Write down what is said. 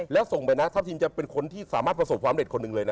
แล้วส่งไปนะทัพทีมจะเป็นคนที่สามารถประสบความเร็จคนหนึ่งเลยนะ